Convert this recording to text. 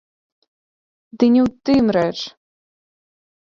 Ды не ў тым рэч.